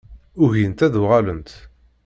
Ugint ad d-uɣalent.